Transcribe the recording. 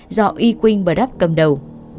do y juen burdap cầm đầu